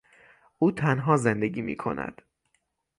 او تنها زندگی میکند.